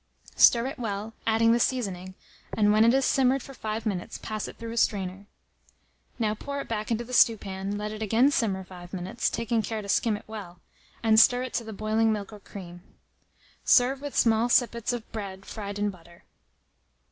Stir it well, adding the seasoning, and when it has simmered for five minutes, pass it through a strainer. Now pour it back into the stewpan, let it again simmer five minutes, taking care to skim it well, and stir it to the boiling milk or cream. Serve with small sippets of bread fried in butter.